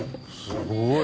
すごい。